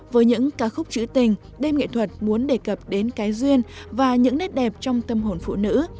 với những ca khúc trữ tình đêm nghệ thuật muốn đề cập đến cái duyên và những nét đẹp trong tâm hồn phụ nữ